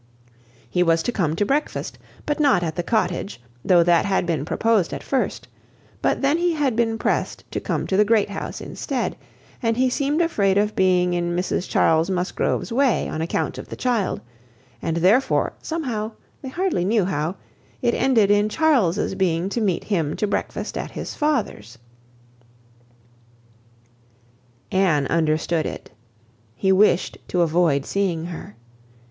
He was to come to breakfast, but not at the Cottage, though that had been proposed at first; but then he had been pressed to come to the Great House instead, and he seemed afraid of being in Mrs Charles Musgrove's way, on account of the child, and therefore, somehow, they hardly knew how, it ended in Charles's being to meet him to breakfast at his father's. Anne understood it. He wished to avoid seeing her.